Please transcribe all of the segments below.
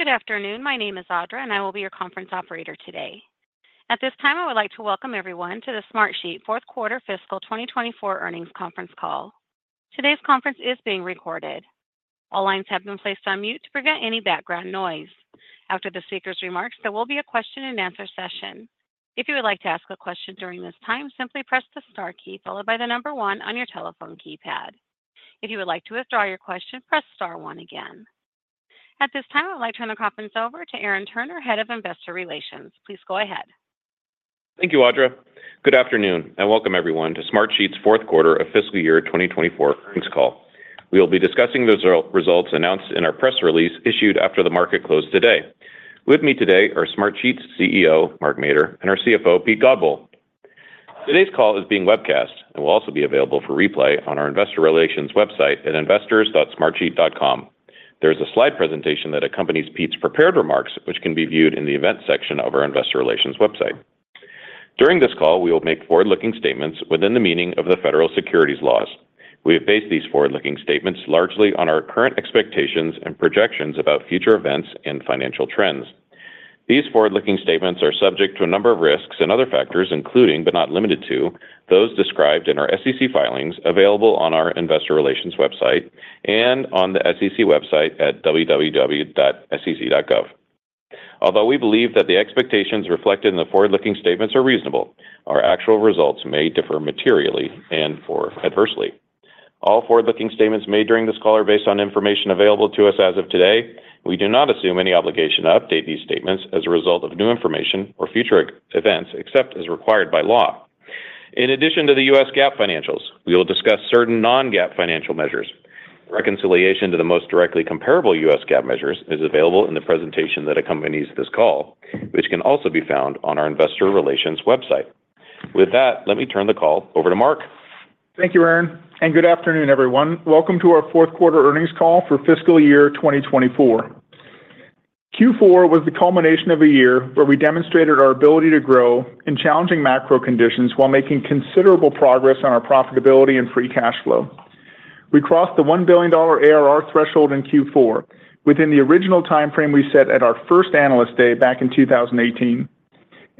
Good afternoon. My name is Audra, and I will be your conference operator today. At this time, I would like to welcome everyone to the Smartsheet Fourth Quarter Fiscal 2024 Earnings Conference call. Today's conference is being recorded. All lines have been placed on mute to prevent any background noise. After the speaker's remarks, there will be a question-and-answer session. If you would like to ask a question during this time, simply press the star key followed by the number 1 on your telephone keypad. If you would like to withdraw your question, press star 1 again. At this time, I would like to turn the conference over to Aaron Turner, Head of Investor Relations. Please go ahead. Thank you, Audra. Good afternoon, and welcome everyone to Smartsheet's Fourth Quarter of Fiscal Year 2024 Earnings call. We will be discussing the results announced in our press release issued after the market closed today. With me today are Smartsheet's CEO, Mark Mader, and our CFO, Pete Godbole. Today's call is being webcast and will also be available for replay on our Investor Relations website at investors.smartsheet.com. There is a slide presentation that accompanies Pete's prepared remarks, which can be viewed in the events section of our Investor Relations website. During this call, we will make forward-looking statements within the meaning of the federal securities laws. We have based these forward-looking statements largely on our current expectations and projections about future events and financial trends. These forward-looking statements are subject to a number of risks and other factors, including but not limited to, those described in our SEC filings available on our Investor Relations website and on the SEC website at www.sec.gov. Although we believe that the expectations reflected in the forward-looking statements are reasonable, our actual results may differ materially and/or adversely. All forward-looking statements made during this call are based on information available to us as of today. We do not assume any obligation to update these statements as a result of new information or future events except as required by law. In addition to the U.S. GAAP financials, we will discuss certain non-GAAP financial measures. Reconciliation to the most directly comparable U.S. GAAP measures is available in the presentation that accompanies this call, which can also be found on our Investor Relations website. With that, let me turn the call over to Mark. Thank you, Aaron. Good afternoon, everyone. Welcome to our Fourth Quarter Earnings call for Fiscal Year 2024. Q4 was the culmination of a year where we demonstrated our ability to grow in challenging macro conditions while making considerable progress on our profitability and free cash flow. We crossed the $1 billion ARR threshold in Q4 within the original timeframe we set at our first analyst day back in 2018,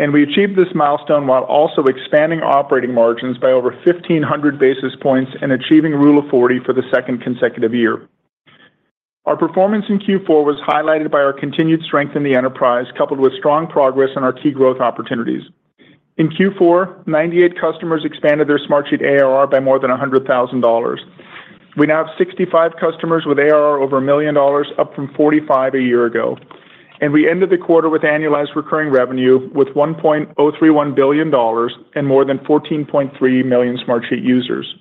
and we achieved this milestone while also expanding our operating margins by over 1,500 basis points and achieving Rule of 40 for the second consecutive year. Our performance in Q4 was highlighted by our continued strength in the enterprise, coupled with strong progress on our key growth opportunities. In Q4, 98 customers expanded their Smartsheet ARR by more than $100,000. We now have 65 customers with ARR over $1 million, up from 45 a year ago. We ended the quarter with annualized recurring revenue $1.031 billion and more than 14.3 million Smartsheet users.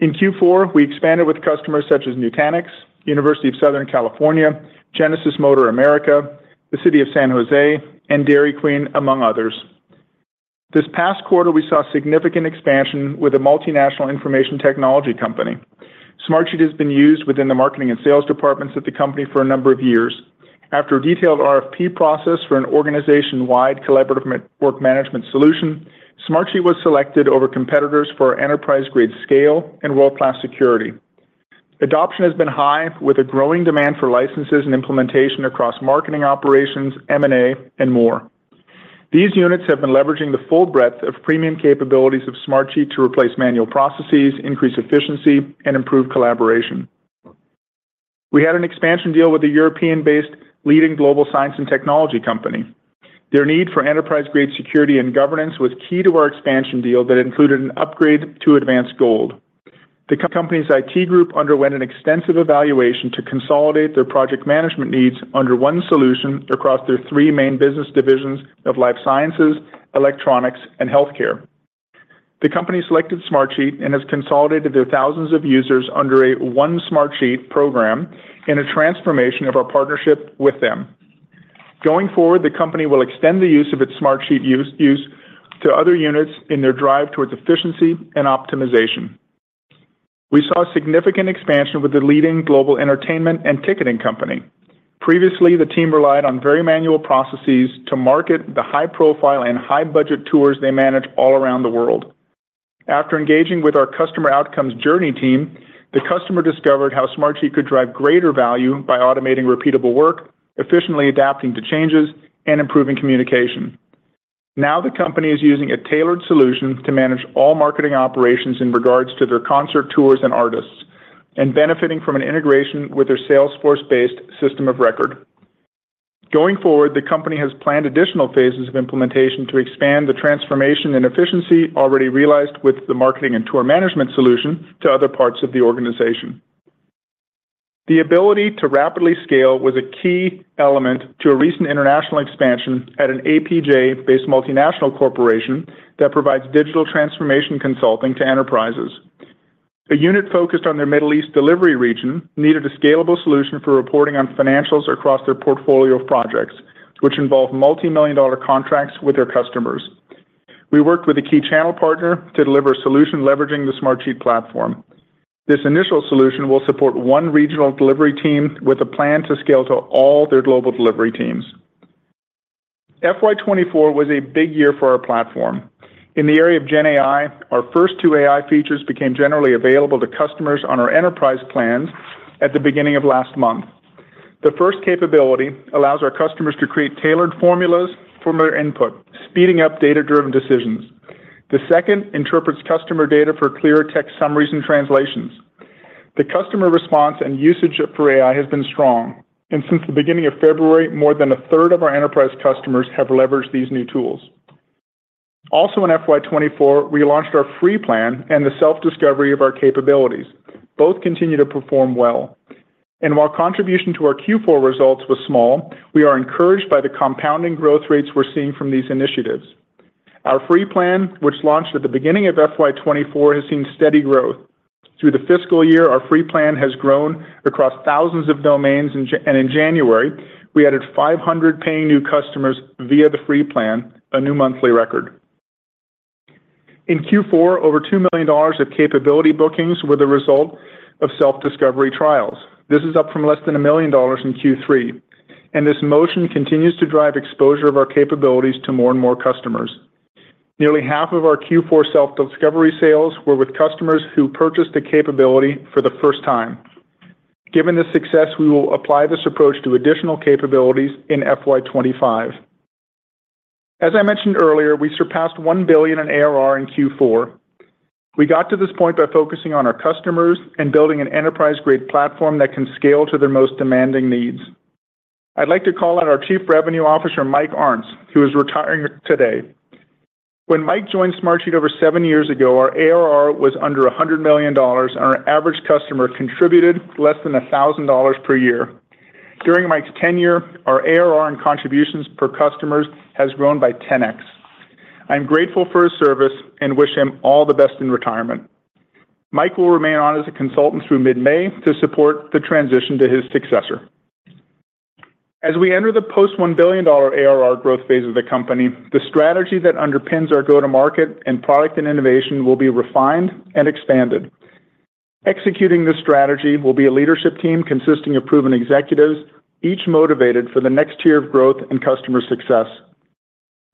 In Q4, we expanded with customers such as Nutanix, University of Southern California, Genesis Motor America, the City of San Jose, and Dairy Queen, among others. This past quarter, we saw significant expansion with a multinational information technology company. Smartsheet has been used within the marketing and sales departments at the company for a number of years. After a detailed RFP process for an organization-wide collaborative work management solution, Smartsheet was selected over competitors for enterprise-grade scale and world-class security. Adoption has been high with a growing demand for licenses and implementation across marketing operations, M&A, and more. These units have been leveraging the full breadth of premium capabilities of Smartsheet to replace manual processes, increase efficiency, and improve collaboration. We had an expansion deal with a European-based leading global science and technology company. Their need for enterprise-grade security and governance was key to our expansion deal that included an upgrade to Advance Gold. The company's IT group underwent an extensive evaluation to consolidate their project management needs under one solution across their three main business divisions of life sciences, electronics, and healthcare. The company selected Smartsheet and has consolidated their thousands of users under a One Smartsheet program in a transformation of our partnership with them. Going forward, the company will extend the use of its Smartsheet use to other units in their drive towards efficiency and optimization. We saw significant expansion with the leading global entertainment and ticketing company. Previously, the team relied on very manual processes to market the high-profile and high-budget tours they manage all around the world. After engaging with our customer outcomes journey team, the customer discovered how Smartsheet could drive greater value by automating repeatable work, efficiently adapting to changes, and improving communication. Now, the company is using a tailored solution to manage all marketing operations in regards to their concert tours and artists, and benefiting from an integration with their Salesforce-based system of record. Going forward, the company has planned additional phases of implementation to expand the transformation and efficiency already realized with the marketing and tour management solution to other parts of the organization. The ability to rapidly scale was a key element to a recent international expansion at an APJ-based multinational corporation that provides digital transformation consulting to enterprises. A unit focused on their Middle East delivery region needed a scalable solution for reporting on financials across their portfolio of projects, which involve multimillion-dollar contracts with their customers. We worked with a key channel partner to deliver a solution leveraging the Smartsheet platform. This initial solution will support one regional delivery team with a plan to scale to all their global delivery teams. FY24 was a big year for our platform. In the area of GenAI, our first two AI features became generally available to customers on our enterprise plans at the beginning of last month. The first capability allows our customers to create tailored formulas for their input, speeding up data-driven decisions. The second interprets customer data for clearer text summaries and translations. The customer response and usage for AI has been strong, and since the beginning of February, more than a third of our enterprise customers have leveraged these new tools. Also, in FY24, we launched our free plan and the self-discovery of our capabilities. Both continue to perform well. While contribution to our Q4 results was small, we are encouraged by the compounding growth rates we're seeing from these initiatives. Our free plan, which launched at the beginning of FY24, has seen steady growth. Through the fiscal year, our free plan has grown across thousands of domains, and in January, we added 500 paying new customers via the free plan, a new monthly record. In Q4, over $2 million of capability bookings were the result of self-discovery trials. This is up from less than $1 million in Q3, and this motion continues to drive exposure of our capabilities to more and more customers. Nearly half of our Q4 self-discovery sales were with customers who purchased a capability for the first time. Given this success, we will apply this approach to additional capabilities in FY25. As I mentioned earlier, we surpassed $1 billion in ARR in Q4. We got to this point by focusing on our customers and building an enterprise-grade platform that can scale to their most demanding needs. I'd like to call out our Chief Revenue Officer, Mike Arntz, who is retiring today. When Mike joined Smartsheet over seven years ago, our ARR was under $100 million, and our average customer contributed less than $1,000 per year. During Mike's tenure, our ARR and contributions per customer have grown by 10x. I'm grateful for his service and wish him all the best in retirement. Mike will remain on as a consultant through mid-May to support the transition to his successor. As we enter the post-$1 billion ARR growth phase of the company, the strategy that underpins our go-to-market and product and innovation will be refined and expanded. Executing this strategy will be a leadership team consisting of proven executives, each motivated for the next year of growth and customer success.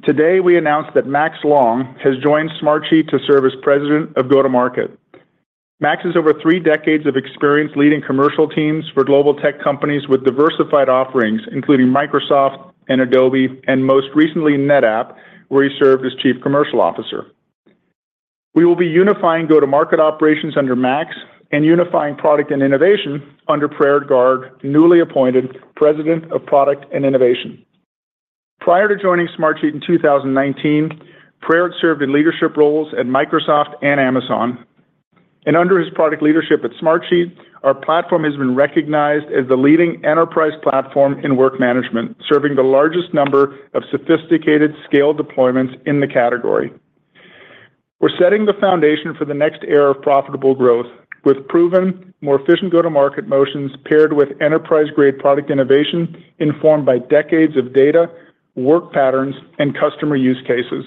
Today, we announced that Max Long has joined Smartsheet to serve as President of Go-to-Market. Max has over three decades of experience leading commercial teams for global tech companies with diversified offerings, including Microsoft and Adobe and, most recently, NetApp, where he served as Chief Commercial Officer. We will be unifying go-to-market operations under Max and unifying product and innovation under Praerit Garg, newly appointed President of Product and Innovation. Prior to joining Smartsheet in 2019, Praerit served in leadership roles at Microsoft and Amazon. Under his product leadership at Smartsheet, our platform has been recognized as the leading enterprise platform in work management, serving the largest number of sophisticated scale deployments in the category. We're setting the foundation for the next era of profitable growth with proven, more efficient go-to-market motions paired with enterprise-grade product innovation informed by decades of data, work patterns, and customer use cases.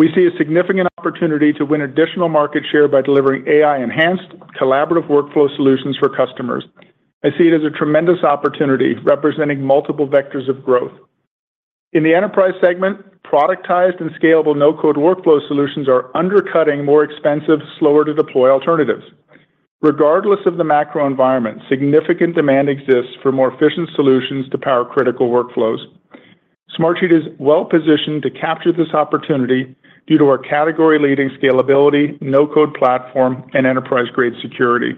We see a significant opportunity to win additional market share by delivering AI-enhanced collaborative workflow solutions for customers. I see it as a tremendous opportunity representing multiple vectors of growth. In the enterprise segment, productized and scalable no-code workflow solutions are undercutting more expensive, slower-to-deploy alternatives. Regardless of the macro environment, significant demand exists for more efficient solutions to power critical workflows. Smartsheet is well-positioned to capture this opportunity due to our category-leading scalability, no-code platform, and enterprise-grade security.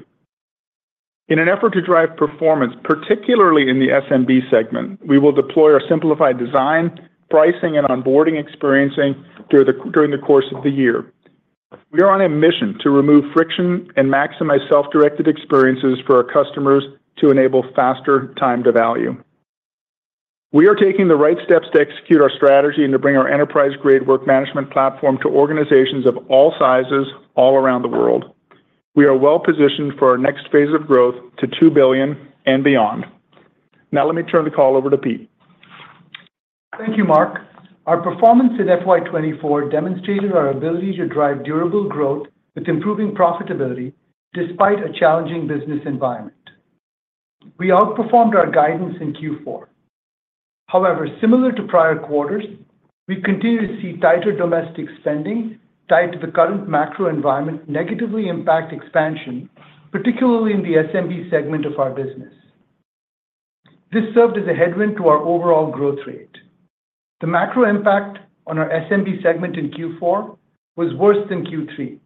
In an effort to drive performance, particularly in the SMB segment, we will deploy our simplified design, pricing, and onboarding experience during the course of the year. We are on a mission to remove friction and maximize self-directed experiences for our customers to enable faster time to value. We are taking the right steps to execute our strategy and to bring our enterprise-grade work management platform to organizations of all sizes all around the world. We are well-positioned for our next phase of growth to $2 billion and beyond. Now, let me turn the call over to Pete. Thank you, Mark. Our performance in FY24 demonstrated our ability to drive durable growth with improving profitability despite a challenging business environment. We outperformed our guidance in Q4. However, similar to prior quarters, we continue to see tighter domestic spending tied to the current macro environment negatively impact expansion, particularly in the SMB segment of our business. This served as a headwind to our overall growth rate. The macro impact on our SMB segment in Q4 was worse than Q3,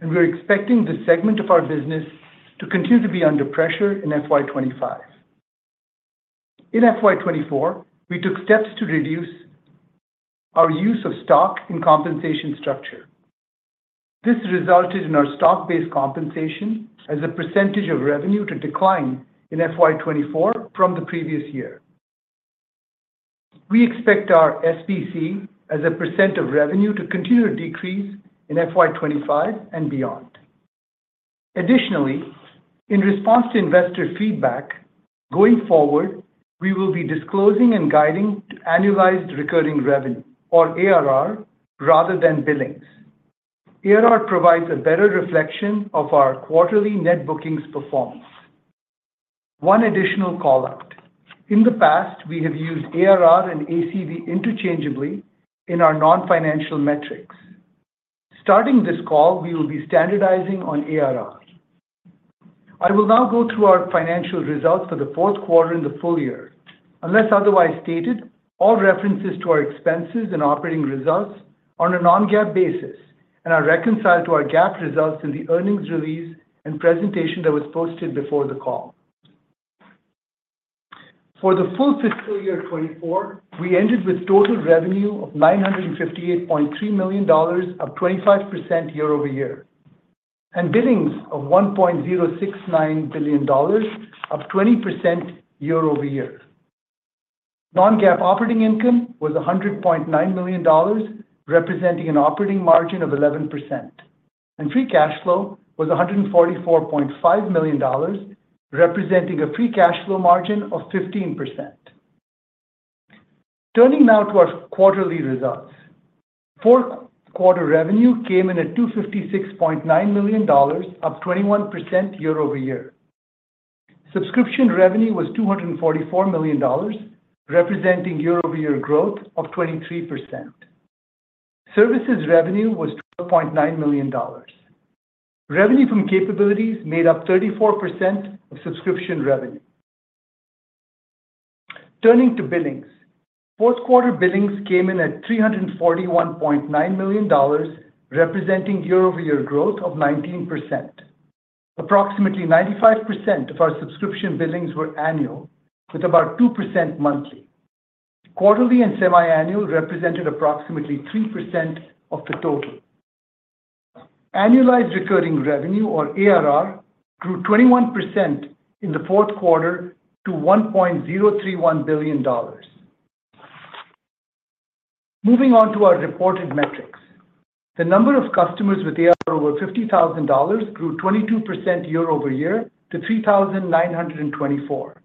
and we are expecting this segment of our business to continue to be under pressure in FY25. In FY24, we took steps to reduce our use of stock in compensation structure. This resulted in our stock-based compensation as a percentage of revenue to decline in FY24 from the previous year. We expect our SPC as a percent of revenue to continue to decrease in FY25 and beyond. Additionally, in response to investor feedback, going forward, we will be disclosing and guiding annualized recurring revenue or ARR rather than billings. ARR provides a better reflection of our quarterly net bookings performance. One additional callout: in the past, we have used ARR and ACV interchangeably in our non-financial metrics. Starting this call, we will be standardizing on ARR. I will now go through our financial results for the fourth quarter in the full year. Unless otherwise stated, all references to our expenses and operating results are on a non-GAAP basis and are reconciled to our GAAP results in the earnings release and presentation that was posted before the call. For the full fiscal year 2024, we ended with total revenue of $958.3 million, up 25% year-over-year, and billings of $1.069 billion, up 20% year-over-year. Non-GAAP operating income was $100.9 million, representing an operating margin of 11%. Free Cash Flow was $144.5 million, representing a Free Cash Flow margin of 15%. Turning now to our quarterly results. Fourth quarter revenue came in at $256.9 million, up 21% year-over-year. Subscription revenue was $244 million, representing year-over-year growth of 23%. Services revenue was $12.9 million. Revenue from capabilities made up 34% of subscription revenue. Turning to billings. Fourth quarter billings came in at $341.9 million, representing year-over-year growth of 19%. Approximately 95% of our subscription billings were annual, with about 2% monthly. Quarterly and semi-annual represented approximately 3% of the total. Annualized Recurring Revenue, or ARR, grew 21% in the fourth quarter to $1.031 billion. Moving on to our reported metrics. The number of customers with ARR over $50,000 grew 22% year-over-year to 3,924.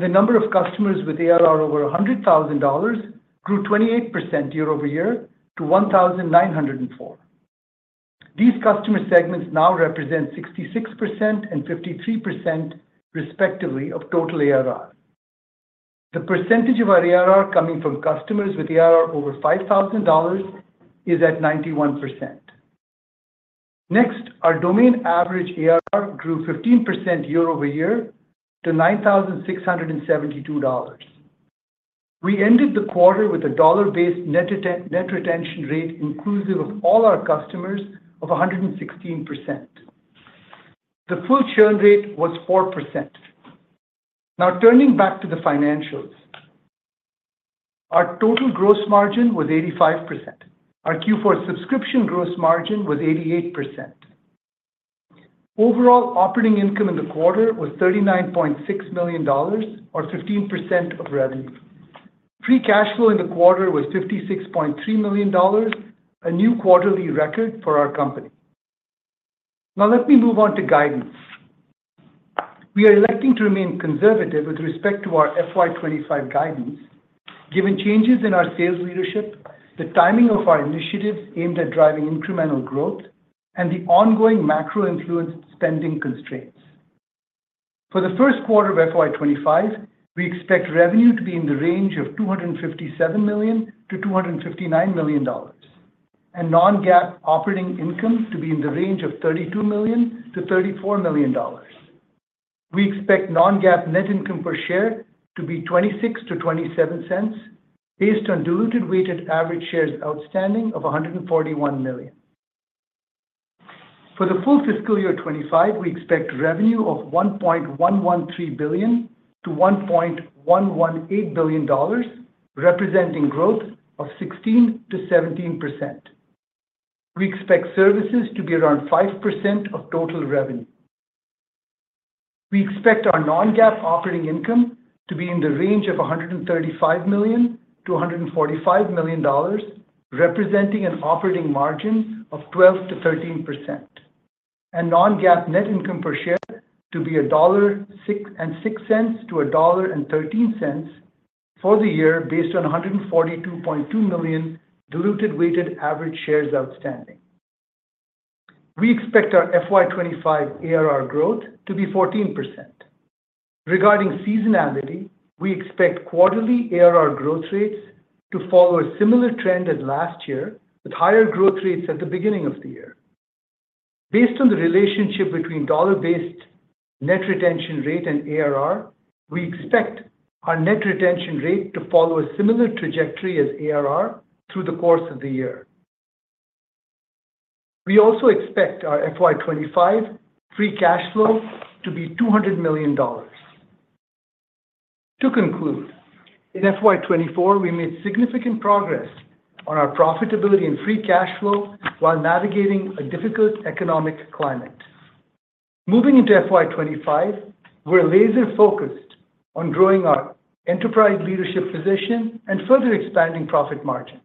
The number of customers with ARR over $100,000 grew 28% year-over-year to 1,904. These customer segments now represent 66% and 53%, respectively, of total ARR. The percentage of our ARR coming from customers with ARR over $5,000 is at 91%. Next, our median average ARR grew 15% year-over-year to $9,672. We ended the quarter with a dollar-based net retention rate inclusive of all our customers of 116%. The full churn rate was 4%. Now, turning back to the financials. Our total gross margin was 85%. Our Q4 subscription gross margin was 88%. Overall operating income in the quarter was $39.6 million or 15% of revenue. Free cash flow in the quarter was $56.3 million, a new quarterly record for our company. Now, let me move on to guidance. We are electing to remain conservative with respect to our FY25 guidance, given changes in our sales leadership, the timing of our initiatives aimed at driving incremental growth, and the ongoing macro-influenced spending constraints. For the first quarter of FY25, we expect revenue to be in the range of $257 million-$259 million, and non-GAAP operating income to be in the range of $32 million-$34 million. We expect non-GAAP net income per share to be $0.26-$0.27, based on diluted weighted average shares outstanding of 141 million. For the full fiscal year 2025, we expect revenue of $1.113 billion-$1.118 billion, representing growth of 16%-17%. We expect services to be around 5% of total revenue. We expect our non-GAAP operating income to be in the range of $135 million-$145 million, representing an operating margin of 12%-13%. Non-GAAP net income per share to be $1.06-$1.13 for the year based on 142.2 million diluted weighted average shares outstanding. We expect our FY25 ARR growth to be 14%. Regarding seasonality, we expect quarterly ARR growth rates to follow a similar trend as last year, with higher growth rates at the beginning of the year. Based on the relationship between dollar-based net retention rate and ARR, we expect our net retention rate to follow a similar trajectory as ARR through the course of the year. We also expect our FY25 free cash flow to be $200 million. To conclude, in FY24, we made significant progress on our profitability and free cash flow while navigating a difficult economic climate. Moving into FY25, we're laser-focused on growing our enterprise leadership position and further expanding profit margins.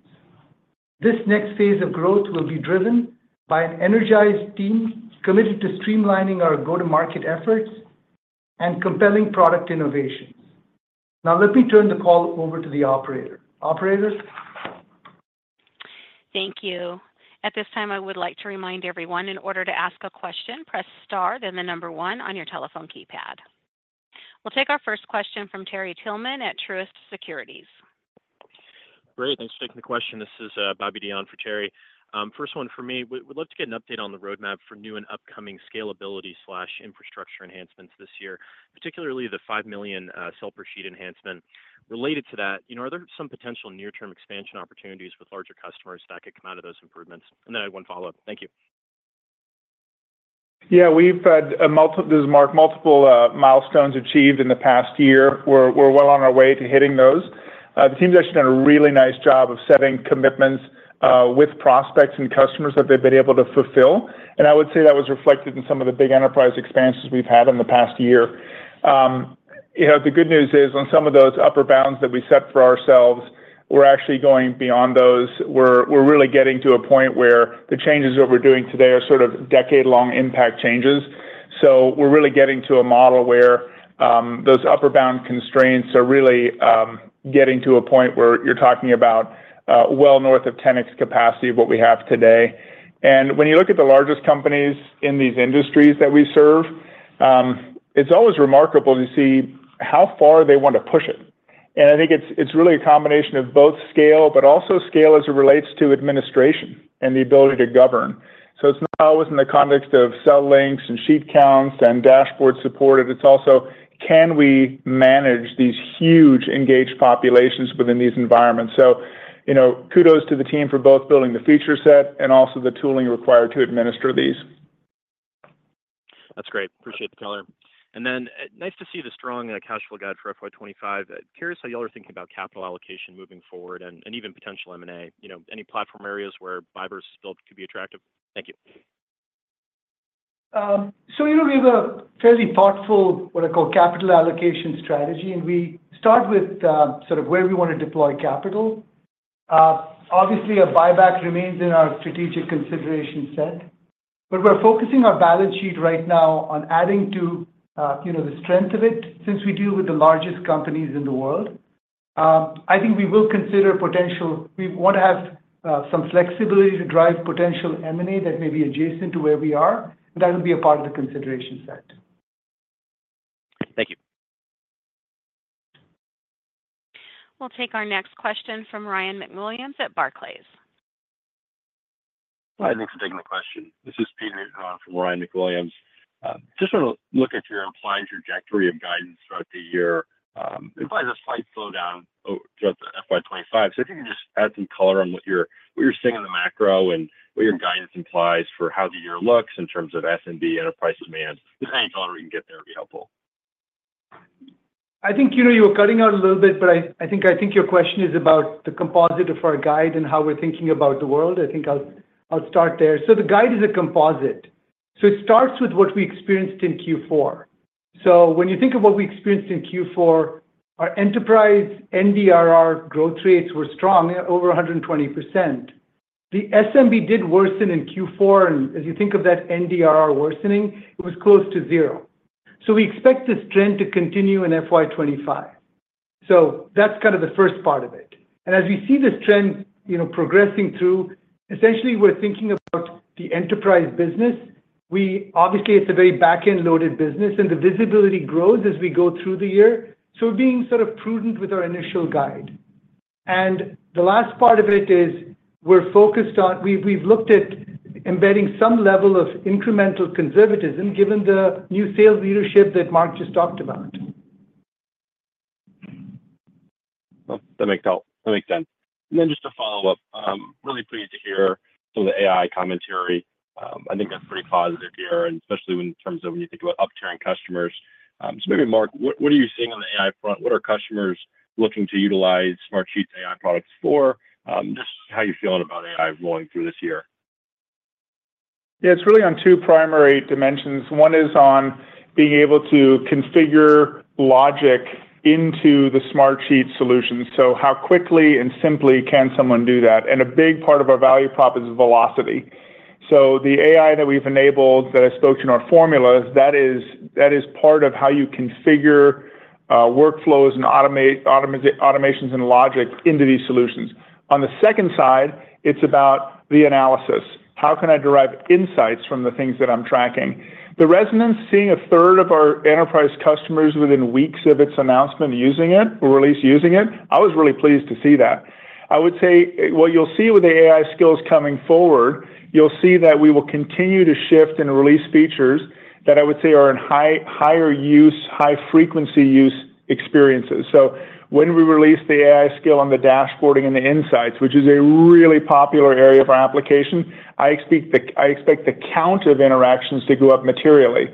This next phase of growth will be driven by an energized team committed to streamlining our go-to-market efforts and compelling product innovations. Now, let me turn the call over to the operator. Operator? Thank you. At this time, I would like to remind everyone, in order to ask a question, press star then the number 1 on your telephone keypad. We'll take our first question from Terry Tillman at Truist Securities. Great. Thanks for taking the question. This is Bobby Dehon for Terry. First one for me. We'd love to get an update on the roadmap for new and upcoming scalability/infrastructure enhancements this year, particularly the $5 million Smartsheet enhancement. Related to that, are there some potential near-term expansion opportunities with larger customers that could come out of those improvements? And then I have one follow-up. Thank you. Yeah. We've had, as Mark, multiple milestones achieved in the past year. We're well on our way to hitting those. The team's actually done a really nice job of setting commitments with prospects and customers that they've been able to fulfill. And I would say that was reflected in some of the big enterprise expansions we've had in the past year. The good news is, on some of those upper bounds that we set for ourselves, we're actually going beyond those. We're really getting to a point where the changes that we're doing today are sort of decade-long impact changes. So we're really getting to a model where those upper bound constraints are really getting to a point where you're talking about well north of 10x capacity of what we have today. And when you look at the largest companies in these industries that we serve, it's always remarkable to see how far they want to push it. And I think it's really a combination of both scale, but also scale as it relates to administration and the ability to govern. So it's not always in the context of cell links and sheet counts and dashboard support, but it's also, can we manage these huge engaged populations within these environments? So kudos to the team for both building the feature set and also the tooling required to administer these. That's great. Appreciate the color. And then nice to see the strong cash flow guide for FY25. Curious how y'all are thinking about capital allocation moving forward and even potential M&A. Any platform areas where buy versus build could be attractive? Thank you. We have a fairly thoughtful, what I call, capital allocation strategy. We start with sort of where we want to deploy capital. Obviously, a buyback remains in our strategic consideration set. But we're focusing our balance sheet right now on adding to the strength of it since we deal with the largest companies in the world. I think we will consider potential we want to have some flexibility to drive potential M&A that may be adjacent to where we are. That will be a part of the consideration set. Thank you. We'll take our next question from Ryan McWilliams at Barclays. Hi. Thanks for taking the question. This is Peter Newton from Ryan McWilliams. Just want to look at your implied trajectory of guidance throughout the year. It implies a slight slowdown throughout the FY25. So if you could just add some color on what you're saying in the macro and what your guidance implies for how the year looks in terms of SMB enterprise demand. If any color we can get there, it'd be helpful. I think you were cutting out a little bit, but I think your question is about the composite of our guide and how we're thinking about the world. I think I'll start there. So the guide is a composite. So it starts with what we experienced in Q4. So when you think of what we experienced in Q4, our enterprise NDRR growth rates were strong, over 120%. The SMP did worsen in Q4. And as you think of that NDRR worsening, it was close to zero. So we expect this trend to continue in FY2025. So that's kind of the first part of it. And as we see this trend progressing through, essentially, we're thinking about the enterprise business. Obviously, it's a very back-end loaded business. And the visibility grows as we go through the year. So we're being sort of prudent with our initial guide. The last part of it is we're focused on. We've looked at embedding some level of incremental conservatism given the new sales leadership that Mark just talked about. Well, that makes sense. Then just to follow up, really pleased to hear some of the AI commentary. I think that's pretty positive here, especially in terms of when you think about upturning customers. Maybe, Mark, what are you seeing on the AI front? What are customers looking to utilize Smartsheet's AI products for? Just how you're feeling about AI rolling through this year? Yeah. It's really on two primary dimensions. One is on being able to configure logic into the Smartsheet solution. So how quickly and simply can someone do that? And a big part of our value prop is velocity. So the AI that we've enabled that I spoke to in our formulas, that is part of how you configure workflows and automations and logic into these solutions. On the second side, it's about the analysis. How can I derive insights from the things that I'm tracking? The resonance, seeing a third of our enterprise customers within weeks of its announcement using it or at least using it, I was really pleased to see that. I would say what you'll see with the AI skills coming forward, you'll see that we will continue to shift and release features that I would say are in higher use, high-frequency use experiences. So when we release the AI skill on the dashboarding and the insights, which is a really popular area of our application, I expect the count of interactions to go up materially.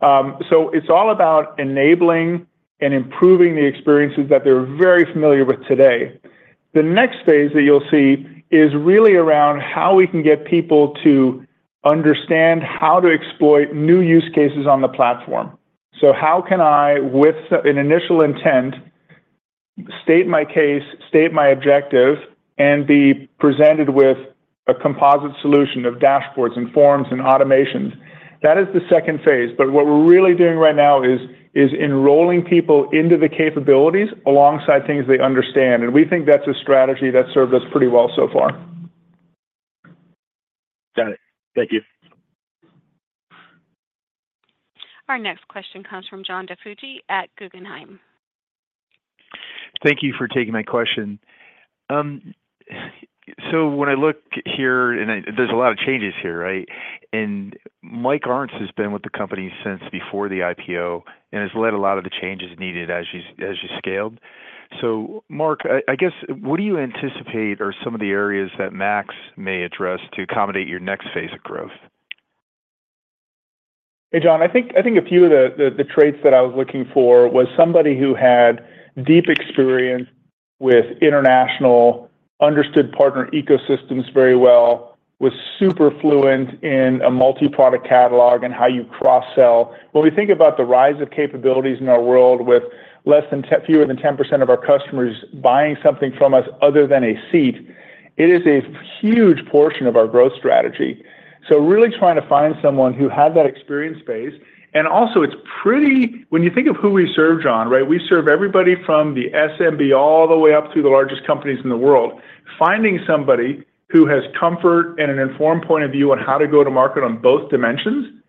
So it's all about enabling and improving the experiences that they're very familiar with today. The next phase that you'll see is really around how we can get people to understand how to exploit new use cases on the platform. So how can I, with an initial intent, state my case, state my objective, and be presented with a composite solution of dashboards and forms and automations? That is the second phase. But what we're really doing right now is enrolling people into the capabilities alongside things they understand. And we think that's a strategy that's served us pretty well so far. Got it. Thank you. Our next question comes from John DiFucci at Guggenheim. Thank you for taking my question. So when I look here and there's a lot of changes here, right? Mike Arntz has been with the company since before the IPO and has led a lot of the changes needed as you scaled. So, Mark, I guess, what do you anticipate are some of the areas that Max may address to accommodate your next phase of growth? Hey, John. I think a few of the traits that I was looking for was somebody who had deep experience with international, understood partner ecosystems very well, was super fluent in a multi-product catalog and how you cross-sell. When we think about the rise of capabilities in our world with fewer than 10% of our customers buying something from us other than a seat, it is a huge portion of our growth strategy. So really trying to find someone who had that experience base. And also, when you think of who we serve, John, right, we serve everybody from the SMB all the way up through the largest companies in the world. Finding somebody who has comfort and an informed point of view on how to go to market on both dimensions,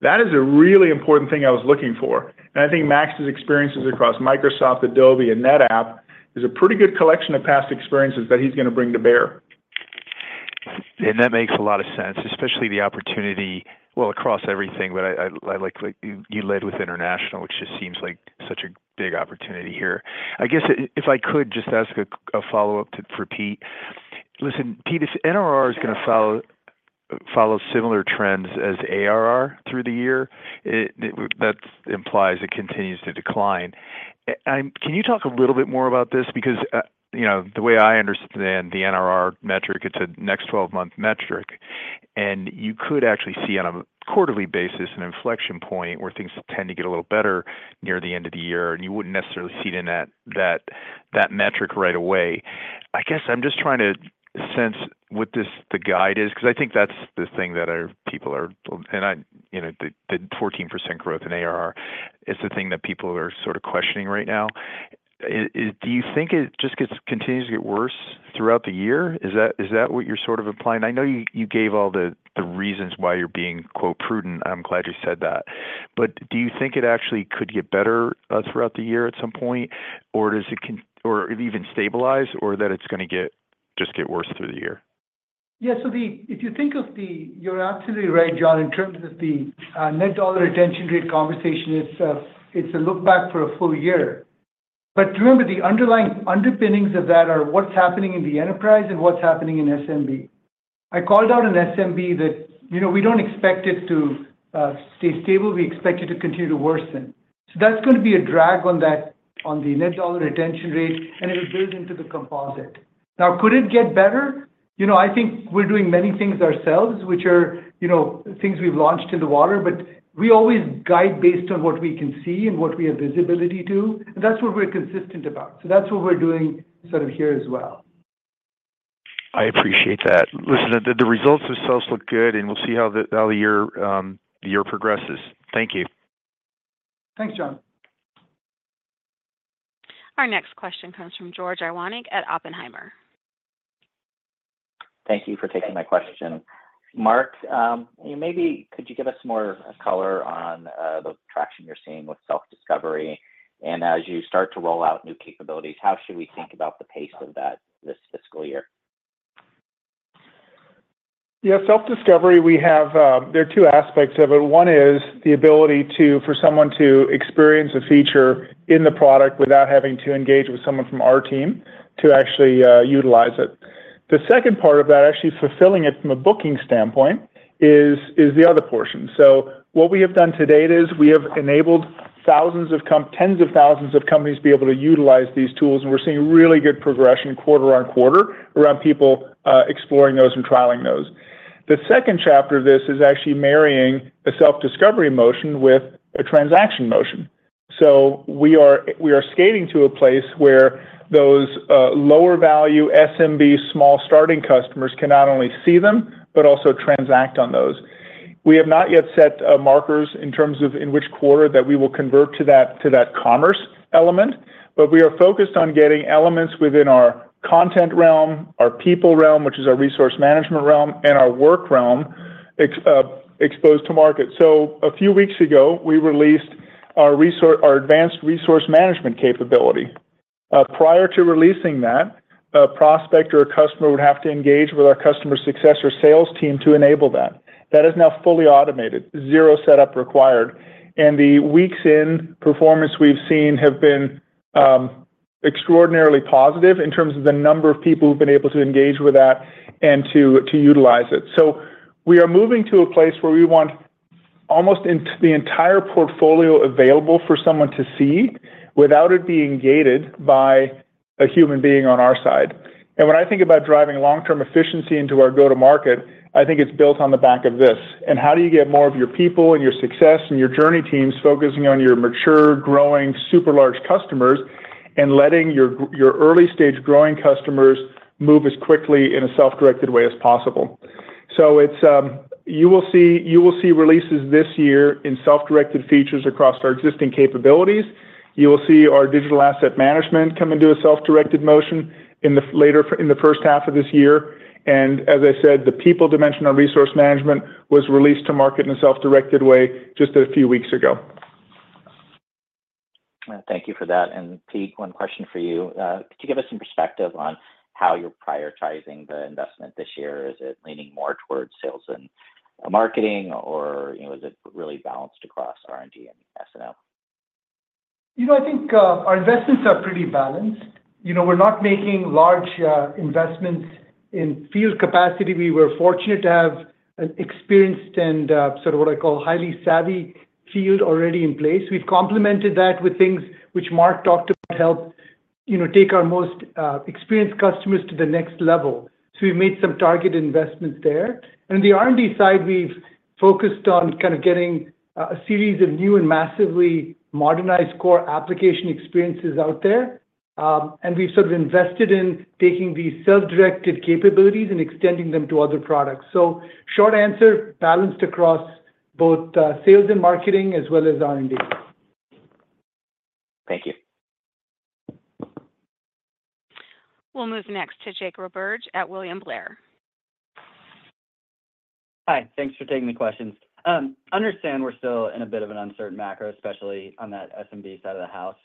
that is a really important thing I was looking for. I think Max's experiences across Microsoft, Adobe, and NetApp is a pretty good collection of past experiences that he's going to bring to bear. And that makes a lot of sense, especially the opportunity well, across everything. But I like what you led with international, which just seems like such a big opportunity here. I guess if I could just ask a follow-up for Pete. Listen, Pete, if NRR is going to follow similar trends as ARR through the year, that implies it continues to decline. Can you talk a little bit more about this? Because the way I understand the NRR metric, it's a next 12-month metric. And you could actually see on a quarterly basis an inflection point where things tend to get a little better near the end of the year. And you wouldn't necessarily see it in that metric right away. I guess I'm just trying to sense what the guide is because I think that's the thing that people are, and the 14% growth in ARR. It's the thing that people are sort of questioning right now. Do you think it just continues to get worse throughout the year? Is that what you're sort of implying? I know you gave all the reasons why you're being "prudent." I'm glad you said that. But do you think it actually could get better throughout the year at some point? Or does it even stabilize? Or that it's going to just get worse through the year? Yeah. So if you think of the, you're absolutely right, John. In terms of the net dollar retention rate conversation, it's a look back for a full year. But remember, the underlying underpinnings of that are what's happening in the enterprise and what's happening in SMB. I called out an SMB that we don't expect it to stay stable. We expect it to continue to worsen. So that's going to be a drag on the net dollar retention rate. And it'll build into the composite. Now, could it get better? I think we're doing many things ourselves, which are things we've launched in the water. But we always guide based on what we can see and what we have visibility to. And that's what we're consistent about. So that's what we're doing sort of here as well. I appreciate that. Listen, the results themselves look good. We'll see how the year progresses. Thank you. Thanks, John. Our next question comes from George Iwanyc at Oppenheimer. Thank you for taking my question. Mark, maybe could you give us more color on the traction you're seeing with self-discovery? And as you start to roll out new capabilities, how should we think about the pace of this fiscal year? Yeah. Self-discovery, there are two aspects of it. One is the ability for someone to experience a feature in the product without having to engage with someone from our team to actually utilize it. The second part of that, actually fulfilling it from a booking standpoint, is the other portion. So what we have done to date is we have enabled tens of thousands of companies to be able to utilize these tools. And we're seeing really good progression quarter-over-quarter around people exploring those and trialing those. The second chapter of this is actually marrying a self-discovery motion with a transaction motion. So we are skating to a place where those lower-value SMB small starting customers can not only see them but also transact on those. We have not yet set markers in terms of in which quarter that we will convert to that commerce element. But we are focused on getting elements within our content realm, our people realm, which is our Resource Management realm, and our work realm exposed to market. So a few weeks ago, we released our Advanced Resource Management capability. Prior to releasing that, a prospect or a customer would have to engage with our customer success or sales team to enable that. That is now fully automated, zero setup required. And the week since performance we've seen have been extraordinarily positive in terms of the number of people who've been able to engage with that and to utilize it. So we are moving to a place where we want almost the entire portfolio available for someone to see without it being gated by a human being on our side. And when I think about driving long-term efficiency into our go-to-market, I think it's built on the back of this. How do you get more of your people and your success and your journey teams focusing on your mature, growing, super large customers and letting your early-stage growing customers move as quickly in a self-directed way as possible? You will see releases this year in self-directed features across our existing capabilities. You will see our digital asset management come into a self-directed motion in the first half of this year. As I said, the people dimension on resource management was released to market in a self-directed way just a few weeks ago. Thank you for that. Pete, one question for you. Could you give us some perspective on how you're prioritizing the investment this year? Is it leaning more towards sales and marketing? Or is it really balanced across R&D and S&M? I think our investments are pretty balanced. We're not making large investments in field capacity. We were fortunate to have an experienced and sort of what I call highly savvy field already in place. We've complemented that with things which Mark talked about help take our most experienced customers to the next level. So we've made some targeted investments there. And on the R&D side, we've focused on kind of getting a series of new and massively modernized core application experiences out there. And we've sort of invested in taking these self-directed capabilities and extending them to other products. So short answer, balanced across both sales and marketing as well as R&D. Thank you. We'll move next to Jacob Roberge at William Blair. Hi. Thanks for taking the questions. I understand we're still in a bit of an uncertain macro, especially on that SMB side of the house.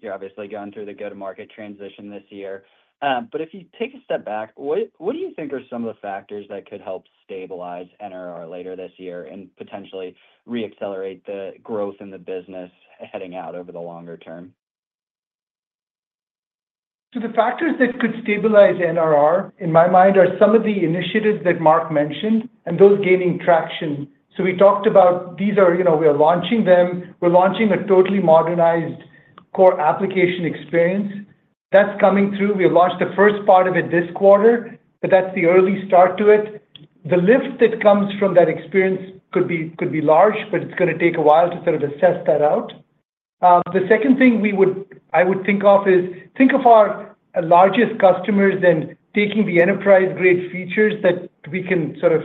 You're obviously going through the go-to-market transition this year. If you take a step back, what do you think are some of the factors that could help stabilize NRR later this year and potentially reaccelerate the growth in the business heading out over the longer term? So the factors that could stabilize NRR, in my mind, are some of the initiatives that Mark mentioned and those gaining traction. So we talked about these. We are launching them. We're launching a totally modernized core application experience. That's coming through. We have launched the first part of it this quarter. But that's the early start to it. The lift that comes from that experience could be large. But it's going to take a while to sort of assess that out. The second thing I would think of is our largest customers and taking the enterprise-grade features that we can sort of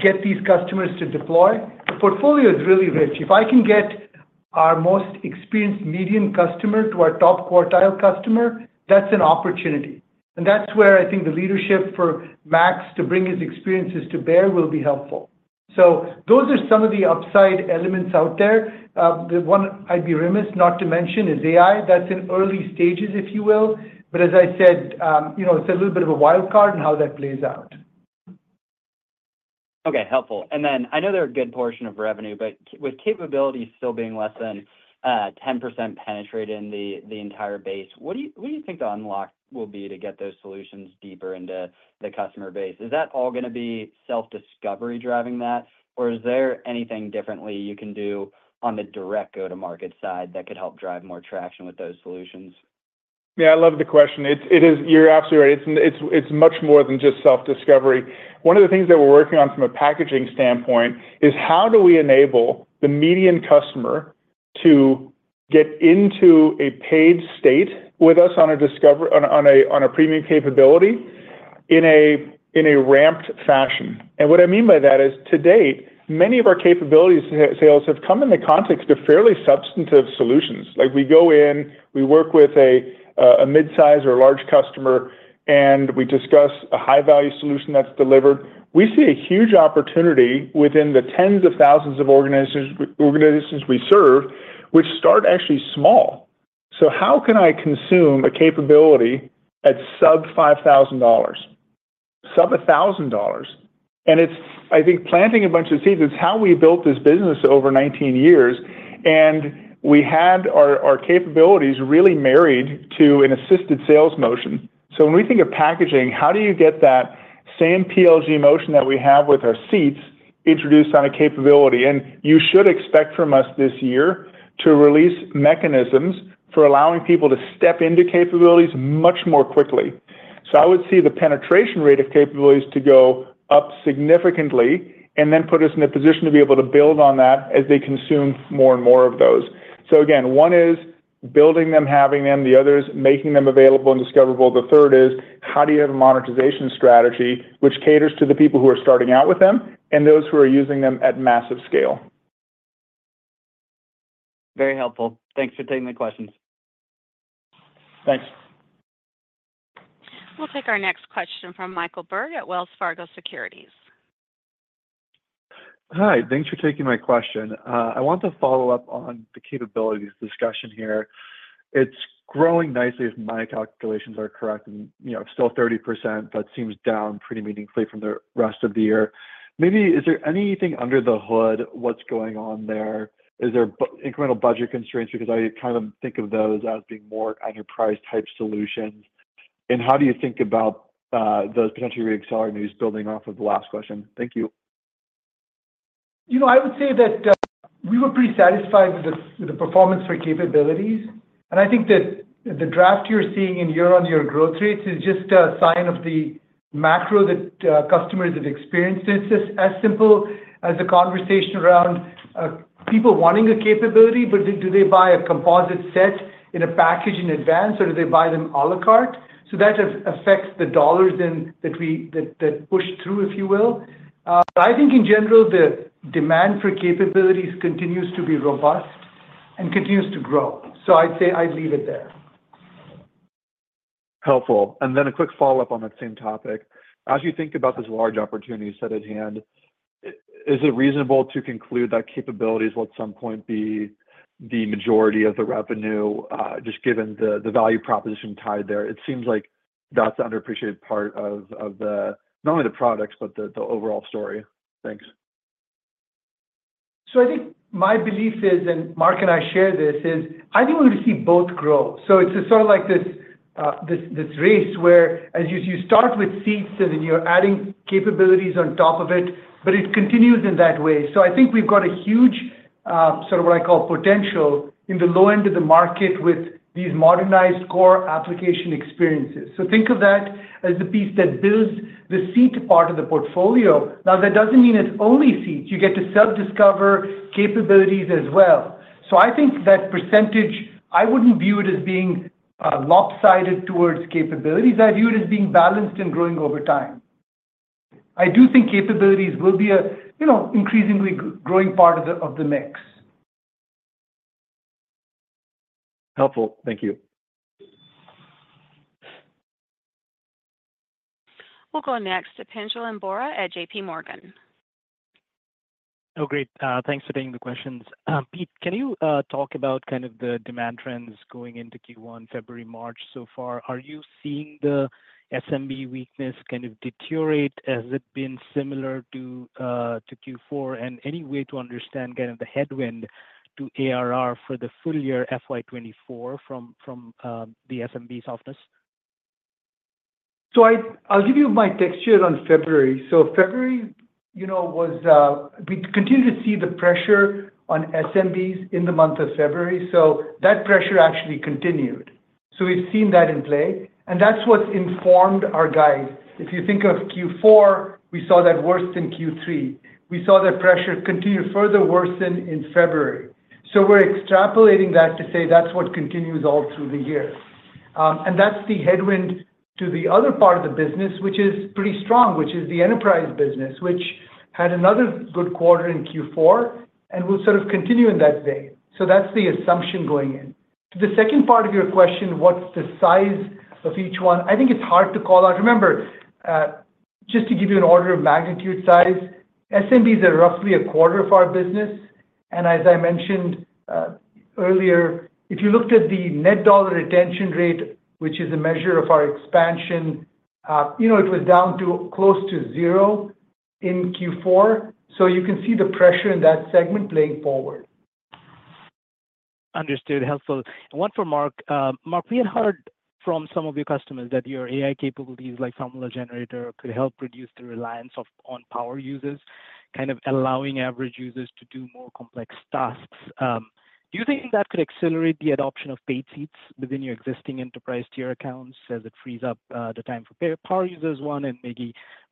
get these customers to deploy. The portfolio is really rich. If I can get our most experienced median customer to our top quartile customer, that's an opportunity. That's where I think the leadership for Max to bring his experiences to bear will be helpful. Those are some of the upside elements out there. The one I'd be remiss not to mention is AI. That's in early stages, if you will. As I said, it's a little bit of a wild card in how that plays out. Okay. Helpful. And then I know they're a good portion of revenue. But with Capabilities still being less than 10% penetration in the entire base, what do you think the unlock will be to get those solutions deeper into the customer base? Is that all going to be Self-discovery driving that? Or is there anything differently you can do on the direct go-to-market side that could help drive more traction with those solutions? Yeah. I love the question. You're absolutely right. It's much more than just self-discovery. One of the things that we're working on from a packaging standpoint is how do we enable the median customer to get into a paid state with us on a premium capability in a ramped fashion? And what I mean by that is, to date, many of our capabilities sales have come in the context of fairly substantive solutions. We go in. We work with a midsize or large customer. And we discuss a high-value solution that's delivered. We see a huge opportunity within the tens of thousands of organizations we serve, which start actually small. So how can I consume a capability at sub-$5,000, sub-$1,000? And it's, I think, planting a bunch of seeds. It's how we built this business over 19 years. And we had our capabilities really married to an assisted sales motion. So, when we think of packaging, how do you get that same PLG motion that we have with our seats introduced on a capability? You should expect from us this year to release mechanisms for allowing people to step into capabilities much more quickly. So, I would see the penetration rate of capabilities to go up significantly and then put us in a position to be able to build on that as they consume more and more of those. So again, one is building them, having them. The other is making them available and discoverable. The third is how do you have a monetization strategy which caters to the people who are starting out with them and those who are using them at massive scale? Very helpful. Thanks for taking the questions. Thanks. We'll take our next question from Michael Berg at Wells Fargo Securities. Hi. Thanks for taking my question. I want to follow up on the capabilities discussion here. It's growing nicely, if my calculations are correct. And it's still 30%. That seems down pretty meaningfully from the rest of the year. Maybe is there anything under the hood, what's going on there? Is there incremental budget constraints? Because I kind of think of those as being more enterprise-type solutions. And how do you think about those potentially reaccelerating, building off of the last question? Thank you. I would say that we were pretty satisfied with the performance for capabilities. And I think that the draft you're seeing in year-on-year growth rates is just a sign of the macro that customers have experienced. And it's as simple as a conversation around people wanting a capability. But do they buy a composite set in a package in advance? Or do they buy them à la carte? So that affects the dollars that push through, if you will. But I think, in general, the demand for capabilities continues to be robust and continues to grow. So I'd say I'd leave it there. Helpful. Then a quick follow-up on that same topic. As you think about this large opportunity set at hand, is it reasonable to conclude that capabilities will at some point be the majority of the revenue just given the value proposition tied there? It seems like that's an underappreciated part of not only the products but the overall story. Thanks. So I think my belief is—and Mark and I share this—is I think we're going to see both grow. So it's sort of like this race where, as you say, you start with seats. And then you're adding capabilities on top of it. But it continues in that way. So I think we've got a huge sort of what I call potential in the low end of the market with these modernized core application experiences. So think of that as the piece that builds the seat part of the portfolio. Now, that doesn't mean it's only seats. You get to self-discover capabilities as well. So I think that percentage, I wouldn't view it as being lopsided towards capabilities. I view it as being balanced and growing over time. I do think capabilities will be an increasingly growing part of the mix. Helpful. Thank you. We'll go next to Pinjalim Bora at J.P. Morgan. Oh, great. Thanks for taking the questions. Pete, can you talk about kind of the demand trends going into Q1, February, March so far? Are you seeing the SMB weakness kind of deteriorate? Has it been similar to Q4? And any way to understand kind of the headwind to ARR for the full year FY2024 from the SMB softness? So I'll give you my picture on February. So February was we continued to see the pressure on SMBs in the month of February. So that pressure actually continued. So we've seen that in play. And that's what's informed our guide. If you think of Q4, we saw that worsened in Q3. We saw that pressure continue to further worsen in February. So we're extrapolating that to say that's what continues all through the year. And that's the headwind to the other part of the business, which is pretty strong, which is the enterprise business, which had another good quarter in Q4 and will sort of continue in that vein. So that's the assumption going in. To the second part of your question, what's the size of each one? I think it's hard to call out. Remember, just to give you an order of magnitude size, SMBs are roughly a quarter of our business. As I mentioned earlier, if you looked at the net dollar retention rate, which is a measure of our expansion, it was down to close to 0 in Q4. You can see the pressure in that segment playing forward. Understood. Helpful. And one for Mark. Mark, we had heard from some of your customers that your AI capabilities like Formula Generator could help reduce the reliance on power users, kind of allowing average users to do more complex tasks. Do you think that could accelerate the adoption of paid seats within your existing enterprise tier accounts as it frees up the time for power users, one, and